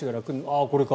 ああ、これか。